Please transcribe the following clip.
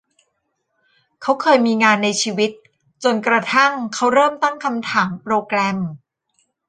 เขาเคยมีงานในชีวิต จนกระทั่งเขาเริ่มตั้งคำถามโปรแกรม